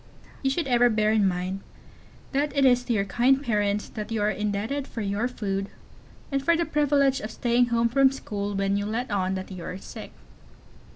You should ever bear in mind that it is to your kind parents that you are indebted for your food, and for the privilege of staying home from school when you let on that you are sick.